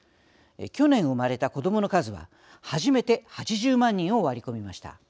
去年、産まれた子どもの数は初めて８０万人を割り込みました。